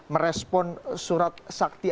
merespon surat sakti